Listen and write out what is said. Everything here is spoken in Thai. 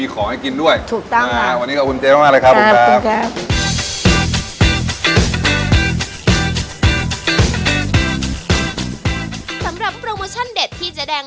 รีบมากันนะร้านเขาขายดีจริง